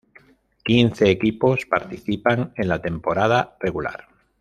Quince equipos participan en la temporada regular.